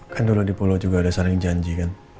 kan dulu di pulau juga ada saling janji kan